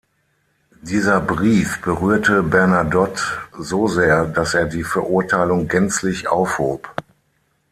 Dieser Brief berührte Bernadotte so sehr, dass er die Verurteilung gänzlich aufhob.